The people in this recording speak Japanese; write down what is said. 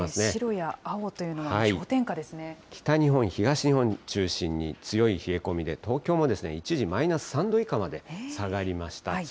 白や青というのは、氷点下で北日本、東日本中心に強い冷え込みで、東京も一時マイナス３度以下まで下がりました。